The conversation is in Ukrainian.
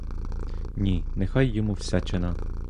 Ні, нехай йому всячина!